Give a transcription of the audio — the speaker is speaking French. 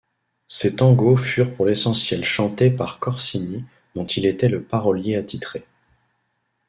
Ses tangos furent pour l’essentiel chantés par Corsini, dont il était le parolier attitré.